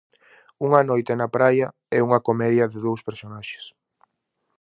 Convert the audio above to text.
Unha noite na praia é unha comedia de dous personaxes.